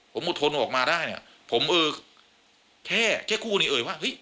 ผมโหดทนออกมาได้อ่ะผมแค่คู่นี้เอ่ยว่า